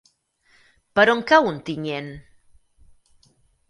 Per on cau Ontinyent?